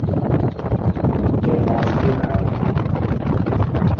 I moosa i raal.